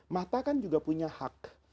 mata kan juga punya hak